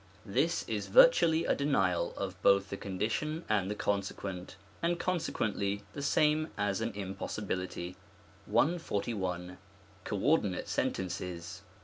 This is virtually a denial of both the con dition and the consequent, and consequently the same as an impossibility. §141. Coordinate Sentences.